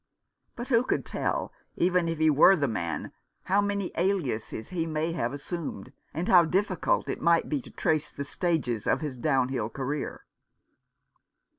But who could tell, even if he were the man, how many aliases he may have assumed, and how difficult it might be to trace the stages of his downhill career